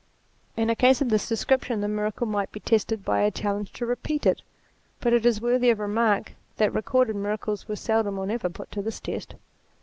In a case of this description, the miracle might be tested by a challenge to repeat it ; but it is worthy of remark, that recorded miracles were seldom or never put to this test.